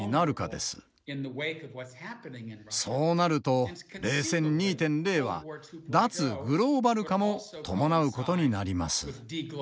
そうなると冷戦２．０は脱グローバル化も伴うことになります。